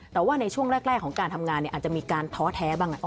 แต่ว่าในช่วงแรกของการทำงานอาจจะมีการท้อแท้บ้าง